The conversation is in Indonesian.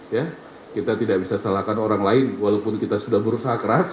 ya kita tidak bisa salahkan orang lain walaupun kita sudah berusaha keras